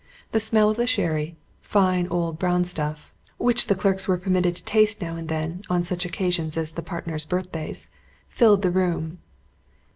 The smell of the sherry fine old brown stuff, which the clerks were permitted to taste now and then, on such occasions as the partners' birthdays filled the room.